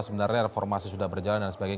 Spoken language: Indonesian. sebenarnya reformasi sudah berjalan dan sebagainya